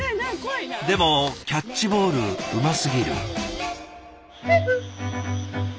でもキャッチボールうますぎる。